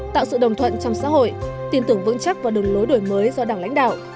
tạo sự đồng thuận trong xã hội tin tưởng vững chắc vào đường lối đổi mới do đảng lãnh đạo